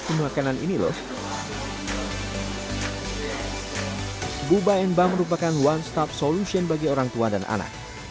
kemakanan ini loh guba and bam merupakan one stop solution bagi orang tua dan anak